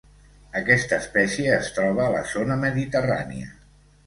Aquesta espècie es troba a la zona mediterrània.